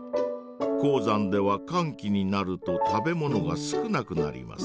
高山ではかん期になると食べ物が少なくなります。